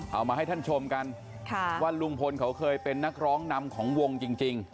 เอามาให้ท่านชมกันว่าลุงพลเขาเคยเป็นนักร้องนำของวงจริง